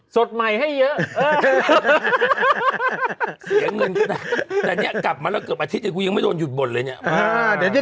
สดใหม่ให้เยอะเสียเงินก็ได้แต่เนี่ยกลับมาแล้วเกือบอาทิตย์กูยังไม่โดนหยุดบ่นเลยเนี่ย